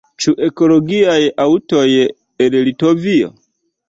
Ĉu ekologiaj aŭtoj el Litovio?